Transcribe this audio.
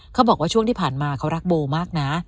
เขาบอกว่าช่วงที่ผ่านมาเขารักโบมากนะ